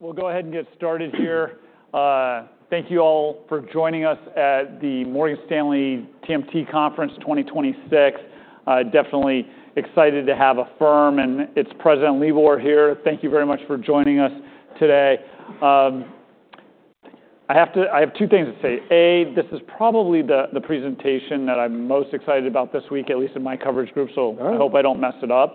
All right. We'll go ahead and get started here. Thank you all for joining us at the Morgan Stanley TMT Conference 2026. Definitely excited to have Affirm and its President, Libor, here. Thank you very much for joining us today. I have two things to say. A, this is probably the presentation that I'm most excited about this week, at least in my coverage group. All right. I hope I don't mess it up.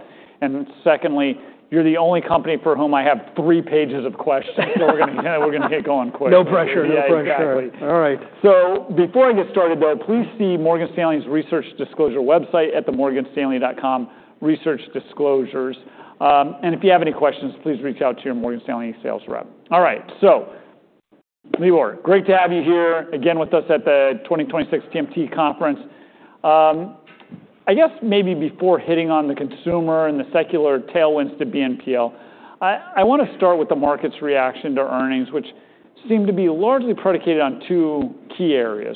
Secondly, you're the only company for whom I have 3 pages of questions. We're gonna, you know, we're gonna get going quick. No pressure. No pressure. Yeah, exactly. All right. Before I get started, though, please see Morgan Stanley's research disclosure website at the morganstanley.com research disclosures. If you have any questions, please reach out to your Morgan Stanley sales rep. All right. Libor, great to have you here again with us at the 2026 TMT Conference. I guess maybe before hitting on the consumer and the secular tailwinds to BNPL, I wanna start with the market's reaction to earnings, which seem to be largely predicated on two key areas.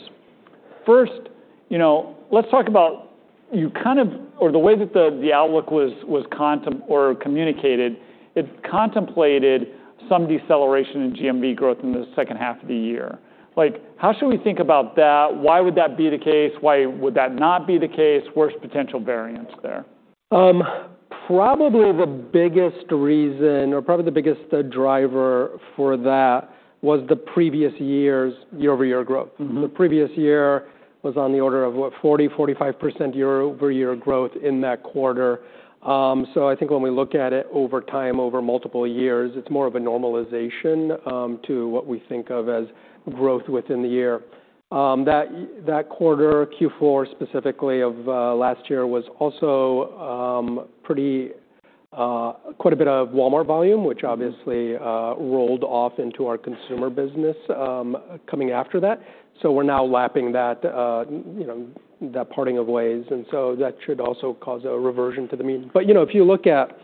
First, you know, let's talk about the way that the outlook was communicated, it contemplated some deceleration in GMV growth in the second half of the year. Like, how should we think about that? Why would that be the case? Why would that not be the case? Worst potential variance there. Probably the biggest reason or probably the biggest driver for that was the previous year's year-over-year growth. Mm-hmm. The previous year was on the order of, what, 40%-45% year-over-year growth in that quarter. I think when we look at it over time, over multiple years, it's more of a normalization to what we think of as growth within the year. That quarter, Q4 specifically of last year, was also pretty quite a bit of Walmart volume. Mm-hmm ...which obviously, rolled off into our consumer business, coming after that. We're now lapping that, you know, that parting of ways, and so that should also cause a reversion to the mean. You know, if you look at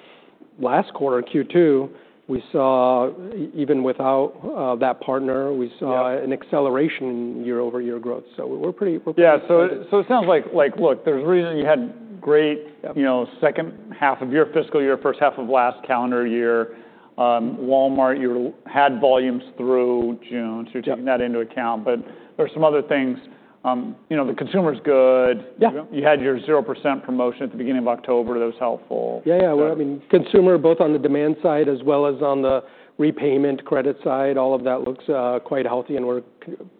last quarter, Q2, we saw even without that partner. Yeah we saw an acceleration in year-over-year growth. We're pretty excited. Yeah. It sounds like, look, there's a reason you had great- Yep ...you know, second half of your fiscal year, first half of last calendar year. Walmart, you had volumes through June. Yep. You're taking that into account. But there's some other things. you know, the consumer's good. Yeah. You had your 0% promotion at the beginning of October. That was helpful. Yeah, yeah. Well, I mean, consumer, both on the demand side as well as on the repayment credit side, all of that looks quite healthy, and we're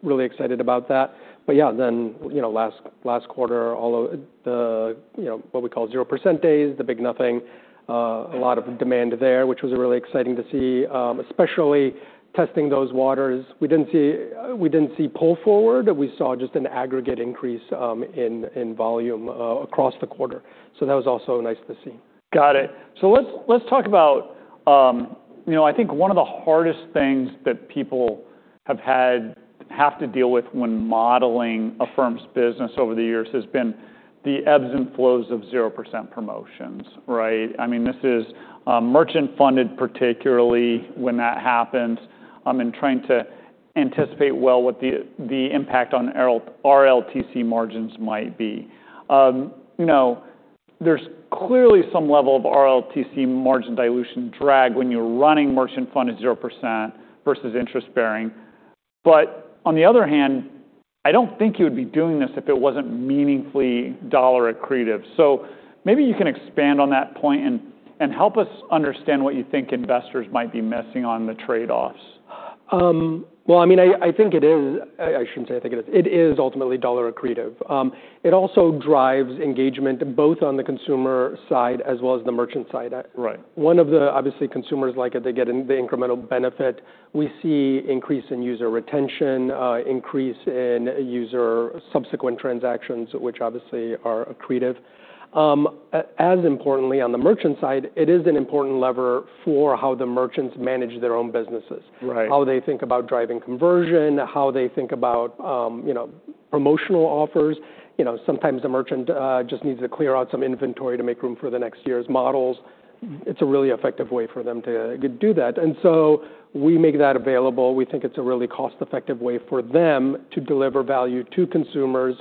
really excited about that. Yeah, then, you know, last quarter, although the, you know, what we call zero percent days, The Big Nothing... Right ...a lot of demand there, which was really exciting to see, especially testing those waters. We didn't see pull forward. We saw just an aggregate increase, in volume, across the quarter. That was also nice to see. Got it. Let's talk about, you know, I think one of the hardest things that people have to deal with when modeling Affirm's business over the years has been the ebbs and flows of 0% promotions, right? I mean, this is merchant-funded, particularly when that happens, and trying to anticipate well what the impact on RLTC margins might be. You know, there's clearly some level of RLTC margin dilution drag when you're running merchant funded 0% versus interest-bearing. On the other hand, I don't think you would be doing this if it wasn't meaningfully dollar accretive. Maybe you can expand on that point and help us understand what you think investors might be missing on the trade-offs. Well, I mean, I think it is. I shouldn't say I think it is. It is ultimately dollar accretive. It also drives engagement both on the consumer side as well as the merchant side. Right. Obviously, consumers like it. They get the incremental benefit. We see increase in user retention, increase in user subsequent transactions, which obviously are accretive. As importantly, on the merchant side, it is an important lever for how the merchants manage their own businesses. Right. How they think about driving conversion, how they think about, you know, promotional offers. You know, sometimes the merchant just needs to clear out some inventory to make room for the next year's models. It's a really effective way for them to do that. We make that available. We think it's a really cost-effective way for them to deliver value to consumers,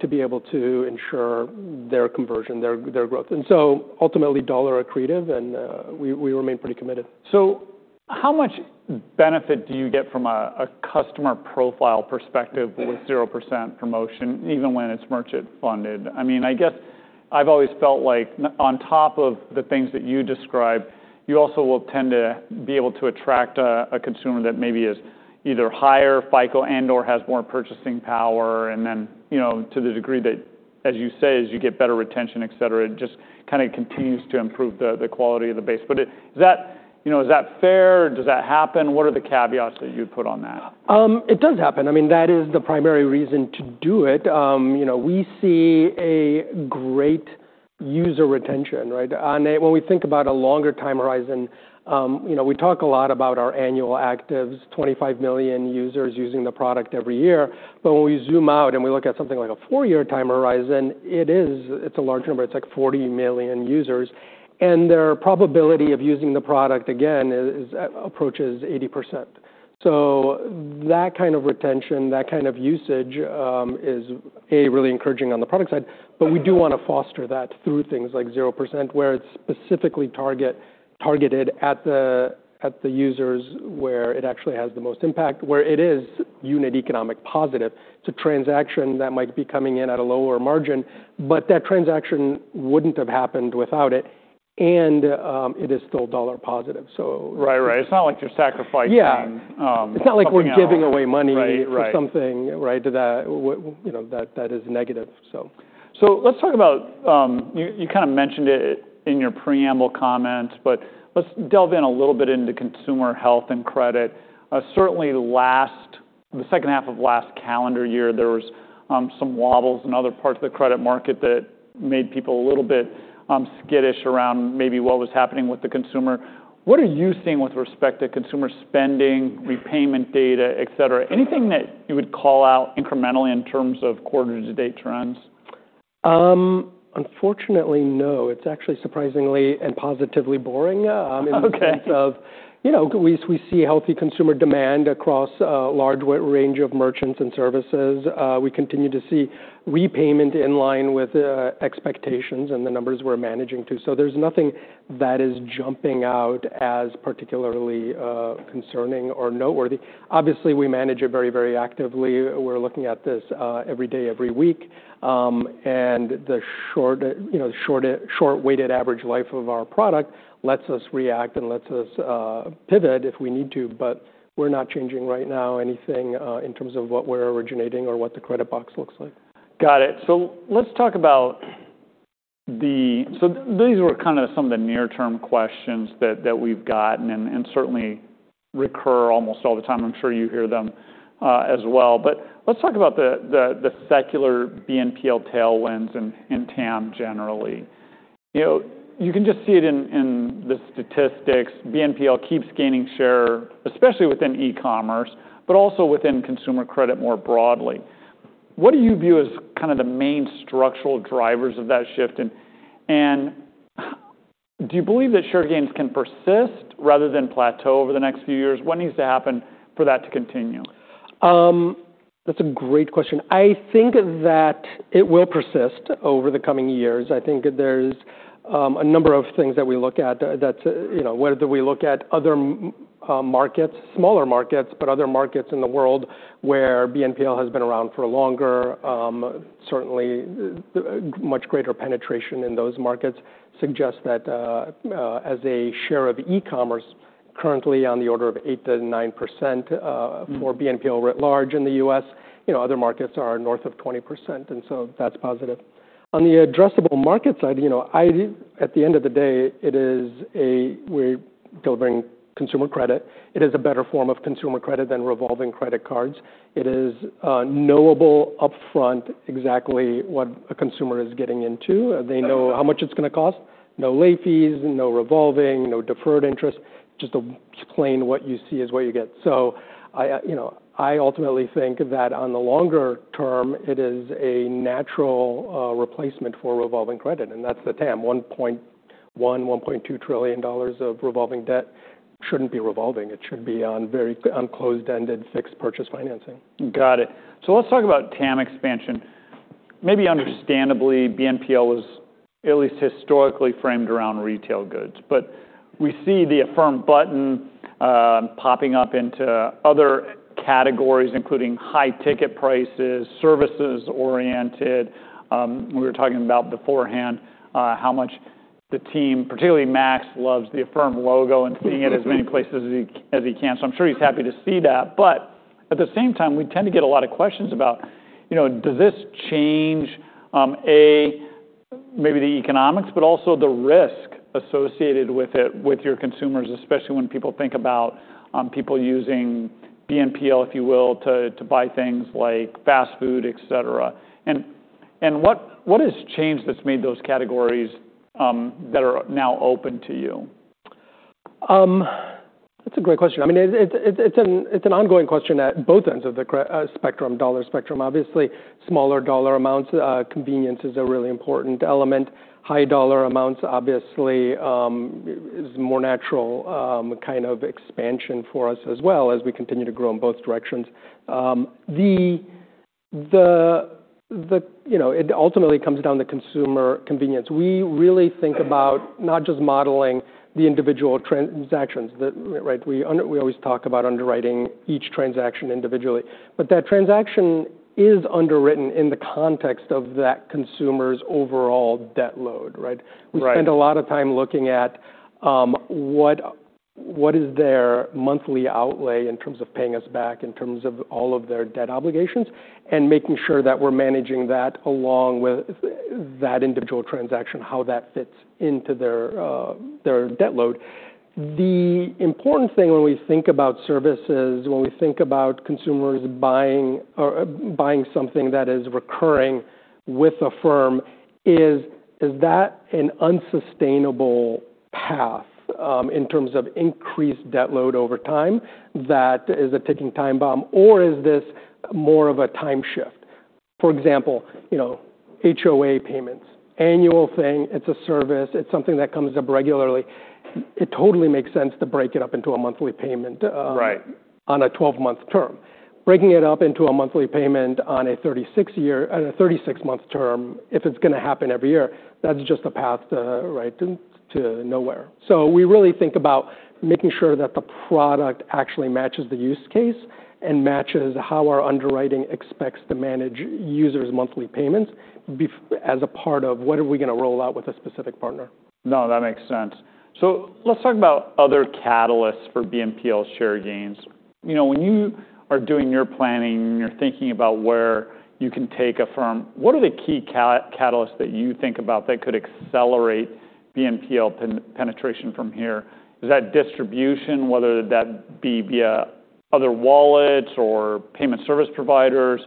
to be able to ensure their conversion, their growth. Ultimately, dollar accretive, and we remain pretty committed. How much benefit do you get from a customer profile perspective with 0% promotion, even when it's merchant funded? I mean, I guess I've always felt like on top of the things that you described, you also will tend to be able to attract a consumer that maybe is either higher FICO and/or has more purchasing power. Then, you know, to the degree that, as you say, as you get better retention, et cetera, it just kinda continues to improve the quality of the base. Is that, you know, is that fair? Does that happen? What are the caveats that you'd put on that? It does happen. I mean, that is the primary reason to do it. You know, we see a great user retention, right? When we think about a longer time horizon, you know, we talk a lot about our annual actives, 25 million users using the product every year. When we zoom out and we look at something like a four-year time horizon, it is, it's a large number. It's like 40 million users. Their probability of using the product again is approaches 80%. That kind of retention, that kind of usage, is, A, really encouraging on the product side, but we do want to foster that through things like 0%, where it's specifically targeted at the users where it actually has the most impact, where it is unit economic positive. It's a transaction that might be coming in at a lower margin, but that transaction wouldn't have happened without it, and, it is still dollar positive. Right. Right. It's not like you're sacrificing- Yeah. Something else. It's not like we're giving away money. Right. Right.... for something, right, that you know, that is negative. So. Let's talk about, you kind of mentioned it in your preamble comments, but let's delve in a little bit into consumer health and credit. Certainly the second half of last calendar year, there was some wobbles in other parts of the credit market that made people a little bit skittish around maybe what was happening with the consumer. What are you seeing with respect to consumer spending, repayment data, et cetera? Anything that you would call out incrementally in terms of quarter-to-date trends? Unfortunately, no. It's actually surprisingly and positively boring. Okay in the sense of, you know, we see healthy consumer demand across a large range of merchants and services. We continue to see repayment in line with expectations and the numbers we're managing to. There's nothing that is jumping out as particularly concerning or noteworthy. Obviously, we manage it very actively. We're looking at this every day, every week, and the short, you know, weighted average life of our product lets us react and lets us pivot if we need to. We're not changing right now anything in terms of what we're originating or what the credit box looks like. Got it. These were kind of some of the near-term questions that we've gotten and certainly recur almost all the time. I'm sure you hear them as well. Let's talk about the secular BNPL tailwinds and TAM generally. You know, you can just see it in the statistics. BNPL keeps gaining share, especially within e-commerce, but also within consumer credit more broadly. What do you view as kind of the main structural drivers of that shift? Do you believe that share gains can persist rather than plateau over the next few years? What needs to happen for that to continue? That's a great question. I think that it will persist over the coming years. I think there's a number of things that we look at that's, you know, whether we look at other markets, smaller markets, but other markets in the world where BNPL has been around for longer. Certainly much greater penetration in those markets suggests that as a share of e-commerce currently on the order of 8%-9%, for BNPL writ large in the US, you know, other markets are north of 20%, and so that's positive. On the addressable market side, you know, at the end of the day, we're delivering consumer credit. It is a better form of consumer credit than revolving credit cards. It is knowable upfront exactly what a consumer is getting into. They know how much it's gonna cost. No late fees, no revolving, no deferred interest. Just a plain what you see is what you get. I, you know, I ultimately think that on the longer term, it is a natural replacement for revolving credit, and that's the TAM. $1.1 trillion-$1.2 trillion of revolving debt shouldn't be revolving. It should be on closed-ended fixed purchase financing. Got it. Let's talk about TAM expansion. Maybe understandably, BNPL was at least historically framed around retail goods. We see the Affirm button, popping up into other categories, including high ticket prices, services-oriented. We were talking about beforehand, how much the team, particularly Max, loves the Affirm logo and seeing it as many places as he can. I'm sure he's happy to see that. At the same time, we tend to get a lot of questions about, you know, does this change, A, maybe the economics, but also the risk associated with it, with your consumers, especially when people think about, people using BNPL, if you will, to buy things like fast food, et cetera. What has changed that's made those categories, that are now open to you? That's a great question. I mean, it's an ongoing question at both ends of the spectrum, dollar spectrum. Obviously, smaller dollar amounts, convenience is a really important element. High dollar amounts obviously, is more natural, kind of expansion for us as well as we continue to grow in both directions. You know, it ultimately comes down to consumer convenience. We really think about not just modeling the individual transactions. We always talk about underwriting each transaction individually, but that transaction is underwritten in the context of that consumer's overall debt load, right? Right. We spend a lot of time looking at what is their monthly outlay in terms of paying us back, in terms of all of their debt obligations, and making sure that we're managing that along with that individual transaction, how that fits into their debt load. The important thing when we think about services, when we think about consumers buying something that is recurring with Affirm is that an unsustainable path in terms of increased debt load over time that is a ticking time bomb, or is this more of a time shift? For example, you know, HOA payments, annual thing, it's a service, it's something that comes up regularly. It totally makes sense to break it up into a monthly payment- Right... on a 12-month term. Breaking it up into a monthly payment on a 36-month term, if it's gonna happen every year, that's just a path to, right, to nowhere. We really think about making sure that the product actually matches the use case and matches how our underwriting expects to manage users' monthly payments as a part of what are we gonna roll out with a specific partner. No, that makes sense. Let's talk about other catalysts for BNPL share gains. You know, when you are doing your planning and you're thinking about where you can take Affirm, what are the key catalysts that you think about that could accelerate BNPL penetration from here? Is that distribution, whether that be via other wallets or payment service providers?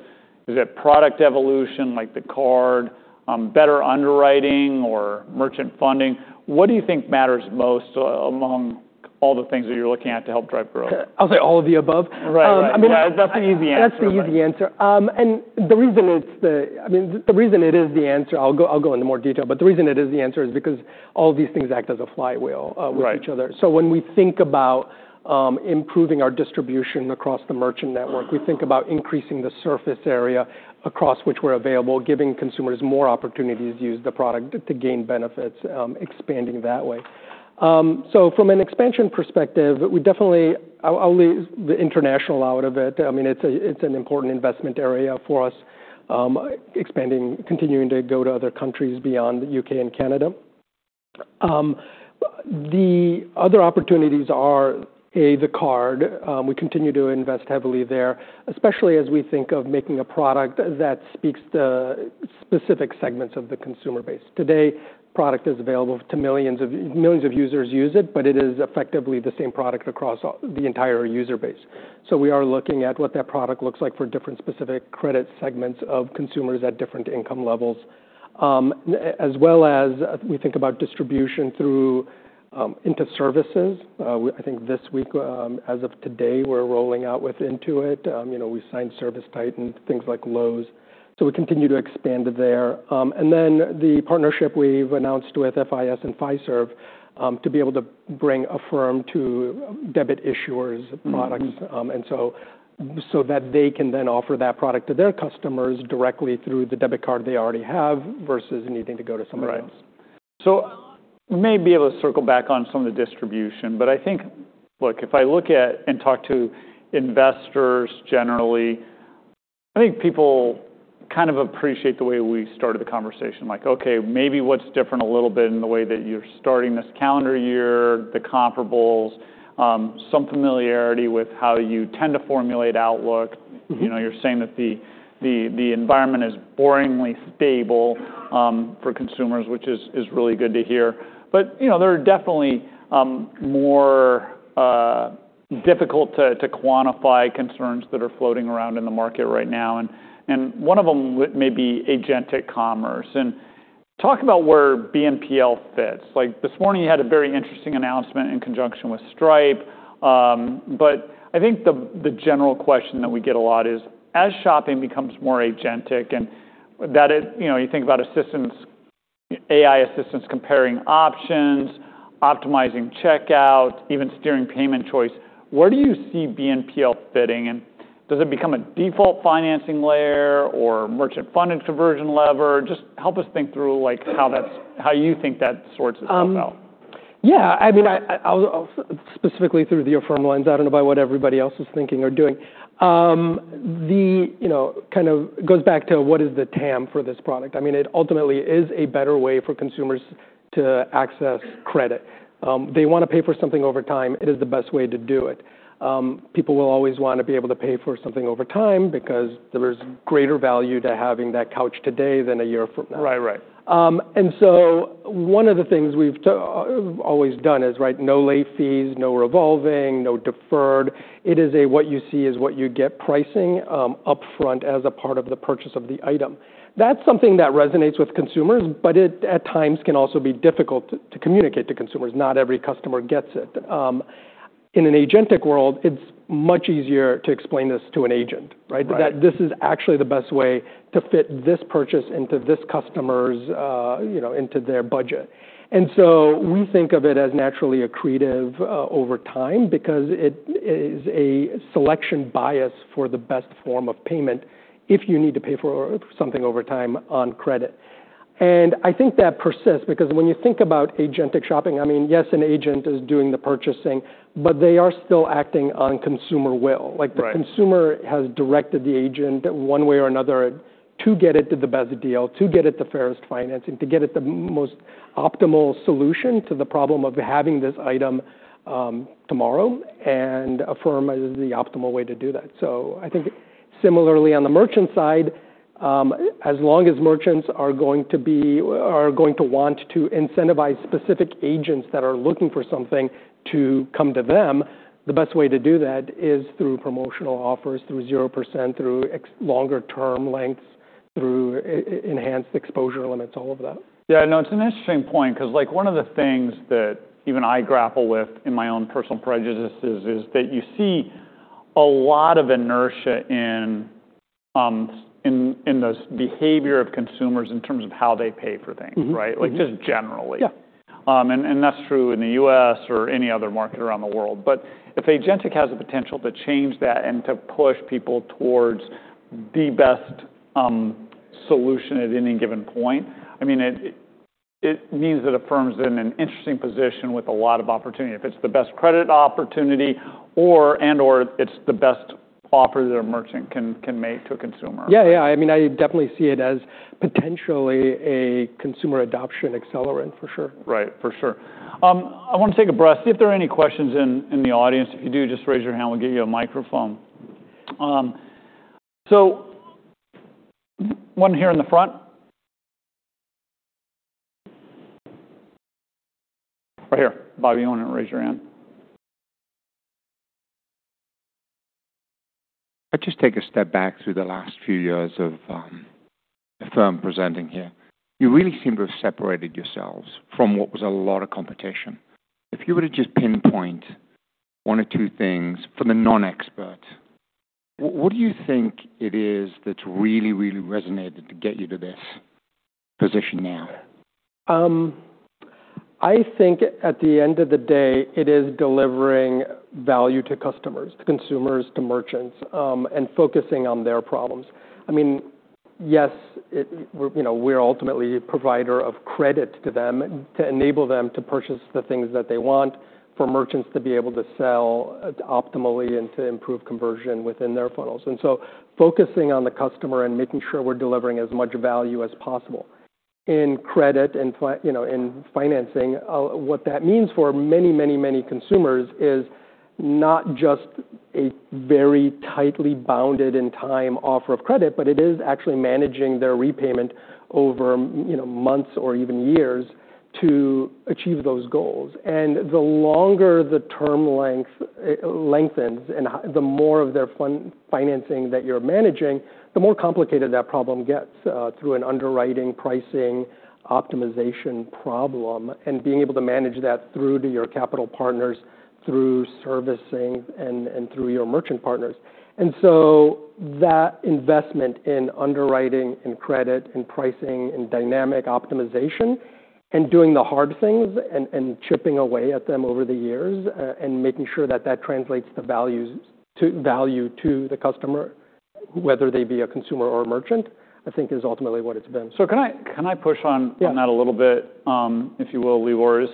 Is it product evolution, like the card, better underwriting or merchant funding? What do you think matters most among all the things that you're looking at to help drive growth? I'll say all of the above. Right. Right. Yeah. That's the easy answer. That's the easy answer. I mean, the reason it is the answer, I'll go into more detail, but the reason it is the answer is because all these things act as a flywheel. Right... with each other. When we think about improving our distribution across the merchant network, we think about increasing the surface area across which we're available, giving consumers more opportunities to use the product to gain benefits, expanding that way. From an expansion perspective, we definitely. I'll leave the international out of it. I mean, it's an important investment area for us, expanding, continuing to go to other countries beyond U.K. and Canada. The other opportunities are, A, the card. We continue to invest heavily there, especially as we think of making a product that speaks to specific segments of the consumer base. Today, product is available to millions of users use it, but it is effectively the same product across the entire user base. We are looking at what that product looks like for different specific credit segments of consumers at different income levels. as well as we think about distribution through, into services. I think this week, as of today, we're rolling out with Intuit. you know, we signed ServiceTitan, things like Lowe's. We continue to expand there. The partnership we've announced with FIS and Fiserv, to be able to bring Affirm to debit issuers products. so that they can then offer that product to their customers directly through the debit card they already have versus needing to go to somebody else. Right. We may be able to circle back on some of the distribution. I think, look, if I look at and talk to investors generally, I think people kind of appreciate the way we started the conversation. Like, okay, maybe what's different a little bit in the way that you're starting this calendar year, the comparables, some familiarity with how you tend to formulate outlook. Mm-hmm. You know, you're saying that the environment is boringly stable for consumers, which is really good to hear. You know, there are definitely more difficult to quantify concerns that are floating around in the market right now, and one of them may be agentic commerce. Talk about where BNPL fits. Like, this morning you had a very interesting announcement in conjunction with Stripe. I think the general question that we get a lot is, as shopping becomes more agentic and that it. You know, you think about assistants, AI assistants comparing options, optimizing checkout, even steering payment choice, where do you see BNPL fitting? Does it become a default financing layer or merchant funding conversion lever? Just help us think through, like, how that's, how you think that sorts itself out. I mean, I'll specifically through the Affirm lens, I don't know about what everybody else is thinking or doing. The, you know, kind of goes back to what is the TAM for this product. I mean, it ultimately is a better way for consumers to access credit. They wanna pay for something over time, it is the best way to do it. People will always want to be able to pay for something over time because there is greater value to having that couch today than a year from now. Right. Right. One of the things we've always done is, right, no late fees, no revolving, no deferred. It is a what you see is what you get pricing, upfront as a part of the purchase of the item. That's something that resonates with consumers, but it at times can also be difficult to communicate to consumers. Not every customer gets it. In an agentic world, it's much easier to explain this to an agent, right? Right. This is actually the best way to fit this purchase into this customer's, you know, into their budget. We think of it as naturally accretive over time because it is a selection bias for the best form of payment if you need to pay for something over time on credit. I think that persists because when you think about agentic shopping, I mean, yes, an agent is doing the purchasing, but they are still acting on consumer will. Right. The consumer has directed the agent one way or another to get it to the best deal, to get it the fairest financing, to get it the most optimal solution to the problem of having this item tomorrow. Affirm is the optimal way to do that. I think similarly on the merchant side, as long as merchants are going to want to incentivize specific agents that are looking for something to come to them, the best way to do that is through promotional offers, through 0%, through ex-longer term lengths, through e-enhanced exposure limits, all of that. No, it's an interesting point because, like, one of the things that even I grapple with in this behavior of consumers in terms of how they pay for things, right? Mm-hmm. Mm-hmm. Like just generally. Yeah. That's true in the U.S. or any other market around the world. If Agentic has the potential to change that and to push people towards the best solution at any given point, I mean, it means that Affirm's in an interesting position with a lot of opportunity. If it's the best credit opportunity or and/or it's the best offer that a merchant can make to a consumer. Yeah. Yeah. I mean, I definitely see it as potentially a consumer adoption accelerant for sure. Right. For sure. I wanna take a breath, see if there are any questions in the audience. If you do, just raise your hand. We'll get you a microphone. One here in the front. Right here. Bobby, you wanna raise your hand. I'll just take a step back through the last few years of the firm presenting here. You really seem to have separated yourselves from what was a lot of competition. If you were to just pinpoint one or two things for the non-expert, what do you think it is that's really resonated to get you to this position now? I think at the end of the day, it is delivering value to customers, to consumers, to merchants, and focusing on their problems. I mean, yes, you know, we're ultimately a provider of credit to them to enable them to purchase the things that they want, for merchants to be able to sell optimally and to improve conversion within their funnels. Focusing on the customer and making sure we're delivering as much value as possible in credit and you know, in financing. What that means for many, many, many consumers is not just a very tightly bounded in time offer of credit, but it is actually managing their repayment over, you know, months or even years to achieve those goals. The longer the term length, lengthens and the more of their fun-financing that you're managing, the more complicated that problem gets, through an underwriting pricing optimization problem, and being able to manage that through to your capital partners, through servicing, and through your merchant partners. That investment in underwriting, in credit, in pricing, in dynamic optimization, and doing the hard things and chipping away at them over the years, and making sure that that translates the value to the customer, whether they be a consumer or a merchant, I think is ultimately what it's been. can I push? Yeah. -on that a little bit, if you will, Libor?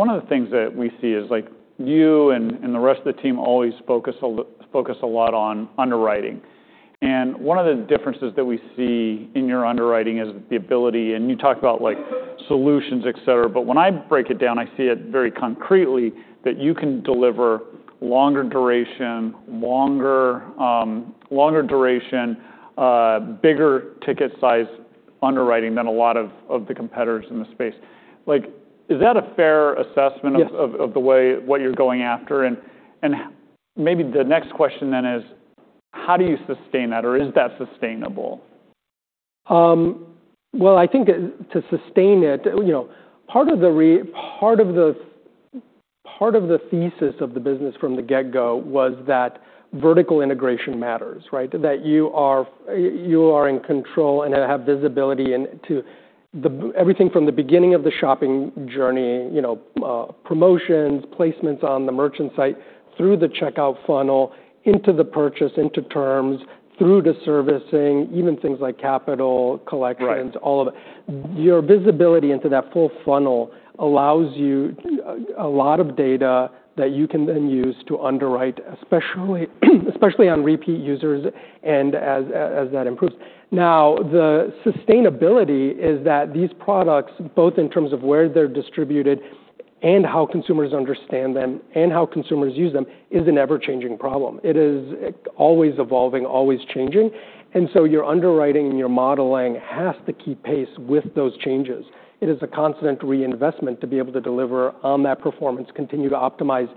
One of the things that we see is like you and the rest of the team always focus a lot on underwriting. One of the differences that we see in your underwriting is the ability, and you talk about like solutions, et cetera, but when I break it down, I see it very concretely that you can deliver longer duration, longer duration, bigger ticket size underwriting than a lot of the competitors in the space. Is that a fair assessment of? Yes. -of what you're going after? Maybe the next question then is: How do you sustain that? Is that sustainable? Well, I think to sustain it, you know, part of the, part of the thesis of the business from the get-go was that vertical integration matters, right? That you are in control and have visibility into everything from the beginning of the shopping journey, you know, promotions, placements on the merchant site, through the checkout funnel, into the purchase, into terms, through to servicing, even things like capital collections. Right. all of it. Your visibility into that full funnel allows you a lot of data that you can then use to underwrite, especially on repeat users as that improves. The sustainability is that these products, both in terms of where they're distributed and how consumers understand them and how consumers use them, is an ever-changing problem. It is always evolving, always changing. Your underwriting and your modeling has to keep pace with those changes. It is a constant reinvestment to be able to deliver on that performance, continue to optimize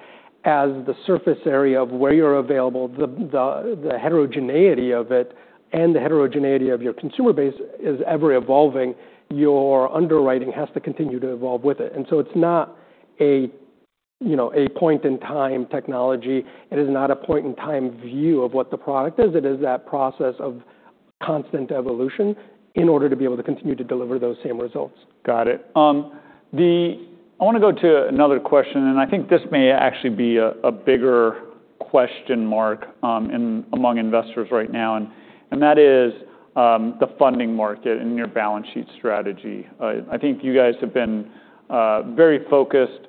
as the surface area of where you're available, the heterogeneity of it, and the heterogeneity of your consumer base is ever-evolving. Your underwriting has to continue to evolve with it. It's not a, you know, a point-in-time technology. It is not a point-in-time view of what the product is. It is that process of constant evolution in order to be able to continue to deliver those same results. Got it. I wanna go to another question, and I think this may actually be a bigger question mark among investors right now, and that is, the funding market and your balance sheet strategy. I think you guys have been very focused on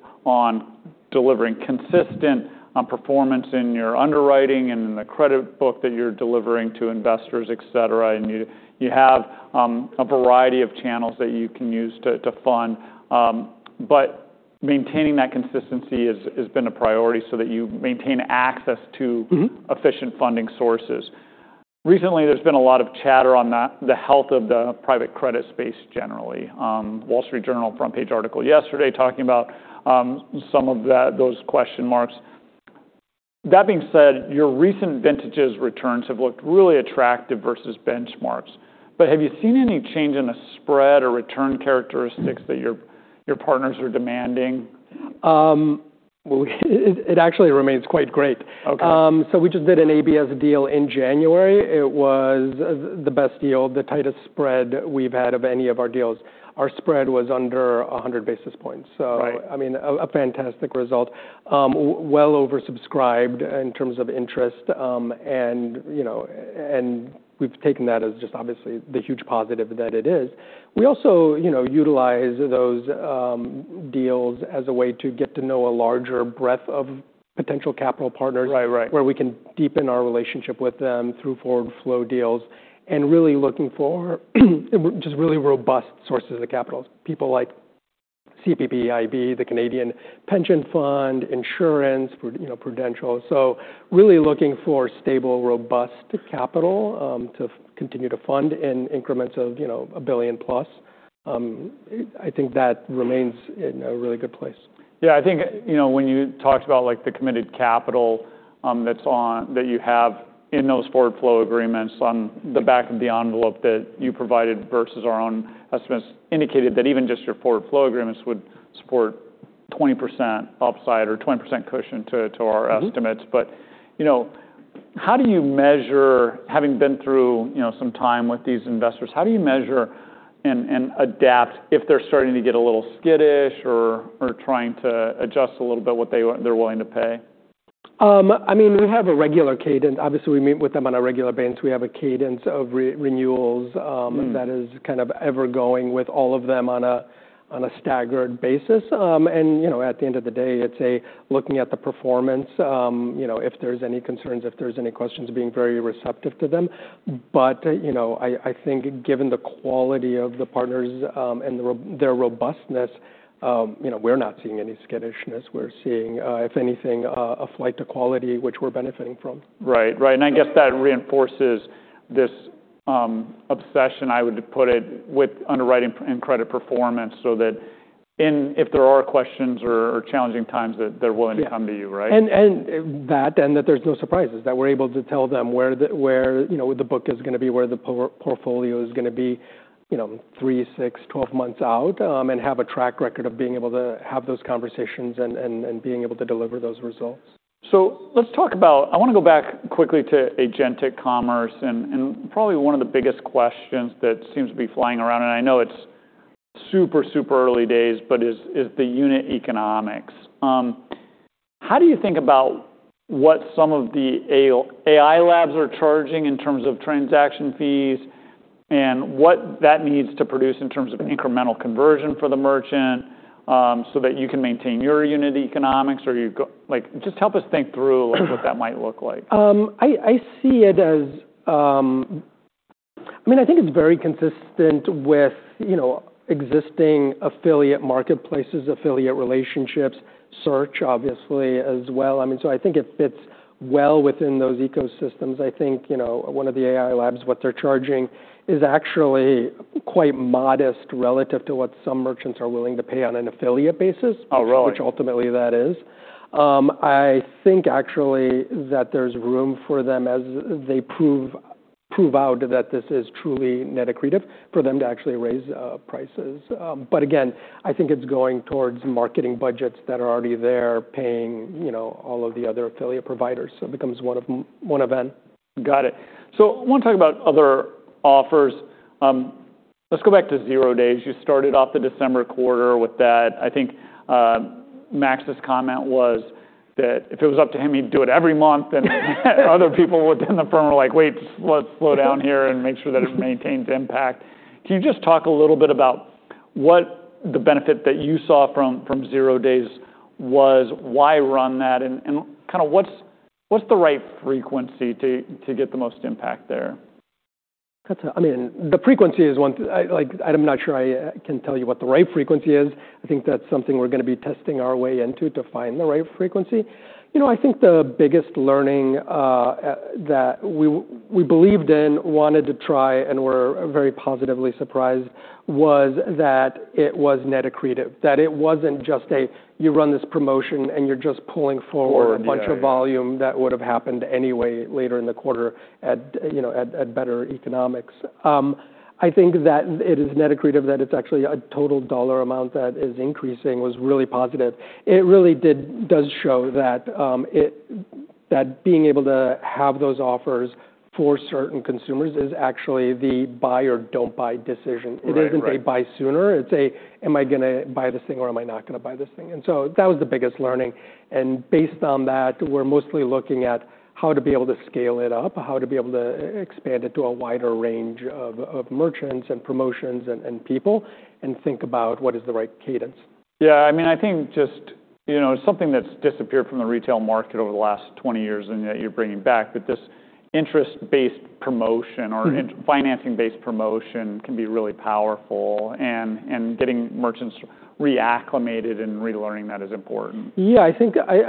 delivering consistent performance in your underwriting and in the credit book that you're delivering to investors, et cetera. You have a variety of channels that you can use to fund. Maintaining that consistency has been a priority so that you maintain access. Mm-hmm. -efficient funding sources. Recently, there's been a lot of chatter on the health of the private credit space generally. Wall Street Journal front page article yesterday talking about some of that, those question marks. That being said, your recent vintages returns have looked really attractive versus benchmarks. Have you seen any change in the spread or return characteristics that your partners are demanding? Well, it actually remains quite great. Okay. We just did an ABS deal in January. It was the best deal, the tightest spread we've had of any of our deals. Our spread was under 100 basis points. Right I mean, a fantastic result. Well oversubscribed in terms of interest. You know, we've taken that as just obviously the huge positive that it is. We also, you know, utilize those deals as a way to get to know a larger breadth of potential capital partners. Right. Right.... where we can deepen our relationship with them through forward flow deals, and really looking for just really robust sources of capital. People like CPPIB, the Canada Pension Plan, insurance, Prudential. Really looking for stable, robust capital to continue to fund in increments of, you know, $1 billion plus. I think that remains in a really good place. Yeah. I think, you know, when you talked about like the committed capital, that you have in those forward flow agreements on the back of the envelope that you provided versus our own estimates indicated that even just your forward flow agreements would support 20% upside or 20% cushion to our estimates. Mm-hmm. You know, how do you measure, having been through, you know, some time with these investors, how do you measure and adapt if they're starting to get a little skittish or trying to adjust a little bit what they're willing to pay? I mean, we have a regular cadence. Obviously, we meet with them on a regular basis. We have a cadence of re-renewals. Mm... that is kind of ever going with all of them on a, on a staggered basis. You know, at the end of the day, it's a looking at the performance, you know, if there's any concerns, if there's any questions, being very receptive to them. You know, I think given the quality of the partners, and their robustness, you know, we're not seeing any skittishness. We're seeing, if anything, a flight to quality, which we're benefiting from. Right. Right. I guess that reinforces this, obsession, I would put it, with underwriting and credit performance so that if there are questions or challenging times that they're willing. Yeah... to come to you, right? That there's no surprises, that we're able to tell them where the, you know, the book is gonna be, where the portfolio is gonna be, you know, three months, six months, 12 months out, and have a track record of being able to have those conversations and being able to deliver those results. Let's talk about. I wanna go back quickly to agentic commerce and probably one of the biggest questions that seems to be flying around, and I know it's super early days, but is the unit economics. How do you think about what some of the AI labs are charging in terms of transaction fees and what that needs to produce in terms of incremental conversion for the merchant, so that you can maintain your unit economics or you go? Just help us think through, like what that might look like. I see it as, I mean, I think it's very consistent with, you know, existing affiliate marketplaces, affiliate relationships, search obviously as well. I think it fits well within those ecosystems. I think, you know, one of the AI labs, what they're charging is actually quite modest relative to what some merchants are willing to pay on an affiliate basis. Oh, really?... which ultimately that is. I think actually that there's room for them as they prove out that this is truly net accretive for them to actually raise prices. Again, I think it's going towards marketing budgets that are already there paying, you know, all of the other affiliate providers, so it becomes one of one event. Got it. I wanna talk about other offers. Let's go back to zero days. You started off the December quarter with that. I think Max's comment was that if it was up to him, he'd do it every month and other people within Affirm were like, "Wait, let's slow down here and make sure that it maintains impact." Can you just talk a little bit about what the benefit that you saw from zero days was, why run that, and kinda what's the right frequency to get the most impact there? I mean, the frequency is one. Like I'm not sure I can tell you what the right frequency is. I think that's something we're gonna be testing our way into to find the right frequency. You know, I think the biggest learning that we believed in, wanted to try, and were very positively surprised was that it was net accretive, that it wasn't just a, you run this promotion, and you're just pulling forward. Forward. Yeah. Yeah.... a bunch of volume that would've happened anyway later in the quarter at, you know, at better economics. I think that it is net accretive, that it's actually a total dollar amount that is increasing was really positive. It really does show that being able to have those offers for certain consumers is actually the buy or don't buy decision. Right. Right. It isn't they buy sooner. It's a, "Am I gonna buy this thing or am I not gonna buy this thing?" That was the biggest learning. Based on that, we're mostly looking at how to be able to scale it up, how to be able to e-expand it to a wider range of merchants and promotions and people, and think about what is the right cadence. Yeah. I mean, I think just, you know, something that's disappeared from the retail market over the last 20 years and yet you're bringing back, but this interest-based promotion. Mm-hmm... financing-based promotion can be really powerful and getting merchants reacclimated and relearning that is important. I think I.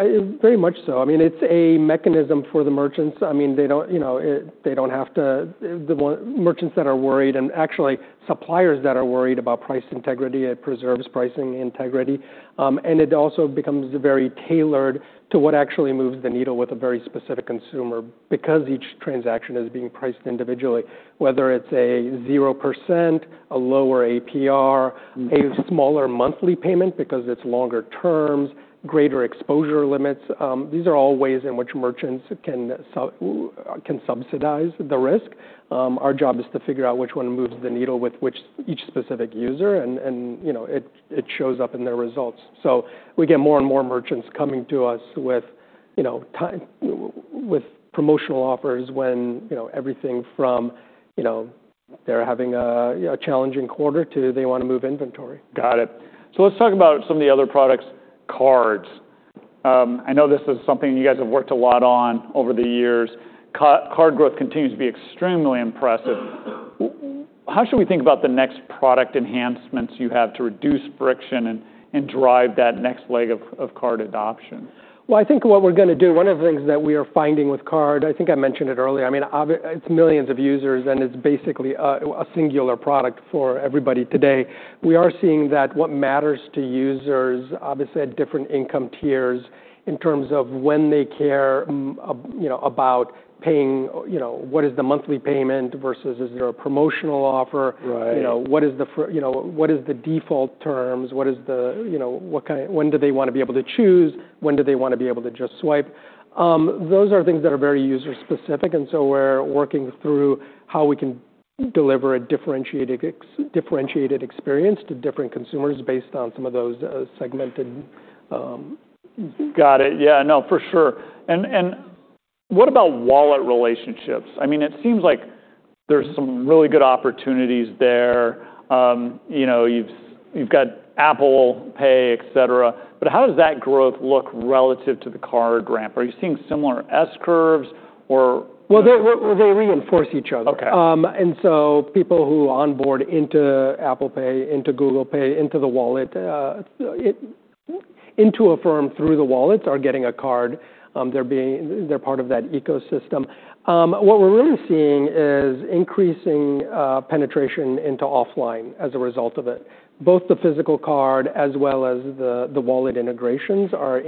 Very much so. I mean, it's a mechanism for the merchants. I mean, they don't, you know, they don't have to. The merchants that are worried, and actually suppliers that are worried about price integrity, it preserves pricing integrity. It also becomes very tailored to what actually moves the needle with a very specific consumer because each transaction is being priced individually, whether it's a 0%, a lower APR. Mm-hmm a smaller monthly payment because it's longer terms, greater exposure limits. These are all ways in which merchants can subsidize the risk. Our job is to figure out which one moves the needle with which each specific user and, you know, it shows up in their results. We get more and more merchants coming to us, you know, time with promotional offers when, you know, everything from, you know, they're having a challenging quarter to they wanna move inventory. Got it. Let's talk about some of the other products. Cards. I know this is something you guys have worked a lot on over the years. Card growth continues to be extremely impressive. How should we think about the next product enhancements you have to reduce friction and drive that next leg of card adoption? I think what we're gonna do, one of the things that we are finding with card, I think I mentioned it earlier, I mean, it's millions of users, and it's basically a singular product for everybody today. We are seeing that what matters to users, obviously at different income tiers, in terms of when they care you know, about paying, you know, what is the monthly payment versus is there a promotional offer. Right. You know, what is the default terms? You know, when do they wanna be able to choose? When do they wanna be able to just swipe? Those are things that are very user-specific, we're working through how we can deliver a differentiating differentiated experience to different consumers based on some of those, segmented. Got it. Yeah, no, for sure. What about wallet relationships? I mean, it seems like there's some really good opportunities there. You know, you've got Apple Pay, et cetera, but how does that growth look relative to the card ramp? Are you seeing similar S-curves, or- Well, they reinforce each other. Okay. People who onboard into Apple Pay, into Google Pay, into the wallet, into Affirm through the wallets are getting a card. They're part of that ecosystem. What we're really seeing is increasing penetration into offline as a result of it. Both the physical card as well as the wallet integrations are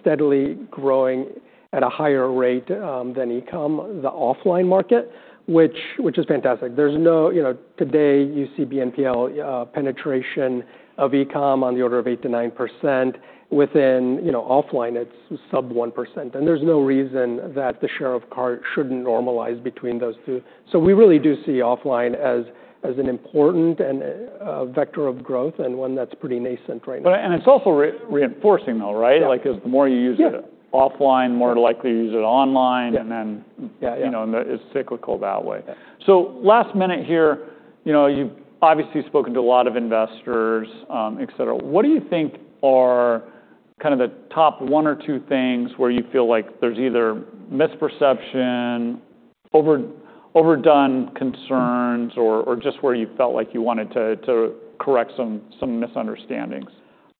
steadily growing at a higher rate than e-com, the offline market, which is fantastic. You know, today, you see BNPL penetration of e-com on the order of 8%-9%. Within, you know, offline, it's sub 1%, and there's no reason that the share of card shouldn't normalize between those two. We really do see offline as an important and vector of growth, and one that's pretty nascent right now. It's also reinforcing though, right? Yeah. Like, it's the more you use it- Yeah... offline, more likely to use it online. Yeah. And then- Yeah, yeah... you know, and it's cyclical that way. Yeah. Last minute here, you know, you've obviously spoken to a lot of investors, et cetera. What do you think are kind of the top one or two things where you feel like there's either misperception, overdone concerns, or just where you felt like you wanted to correct some misunderstandings?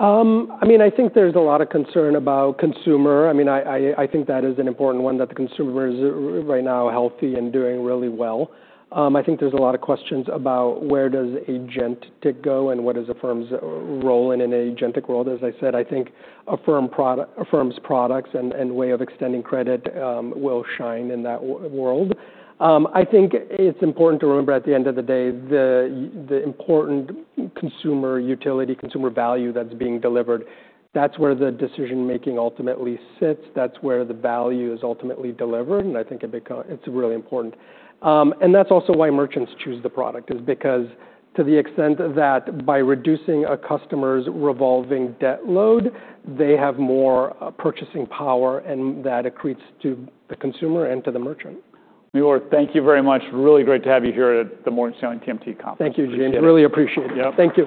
I mean, I think there's a lot of concern about consumer. I mean, I think that is an important one, that the consumer is right now healthy and doing really well. I think there's a lot of questions about where does agentic go and what is Affirm's role in an agentic world. As I said, I think Affirm's products and way of extending credit will shine in that world. I think it's important to remember at the end of the day the important consumer utility, consumer value that's being delivered, that's where the decision-making ultimately sits. That's where the value is ultimately delivered, and I think a big It's really important. That's also why merchants choose the product is because to the extent that by reducing a customer's revolving debt load, they have more purchasing power and that accretes to the consumer and to the merchant. Libor Michalek, thank you very much. Really great to have you here at the Morgan Stanley TMT Conference. Thank you, Jim. Really appreciate it. Yep. Thank you.